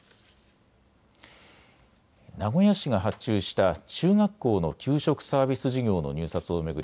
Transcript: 名古屋市が発注した中学校の給食サービス事業の入札を巡り